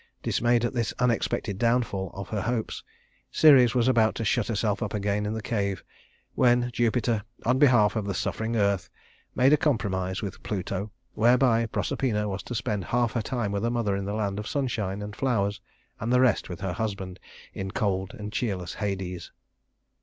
Dismayed at this unexpected downfall of her hopes, Ceres was about to shut herself up again in the cave, when Jupiter, in behalf of the suffering earth, made a compromise with Pluto whereby Proserpina was to spend half her time with her mother in the land of sunshine and flowers, and the rest with her husband in cold and cheerless Hades.